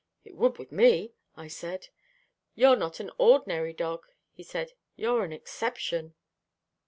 "It would with me," I said. "You're not an ordinary dog," he said. "You're an exception."